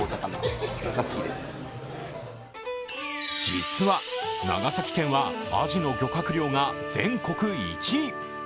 実は、長崎県はアジの漁獲量が全国１位。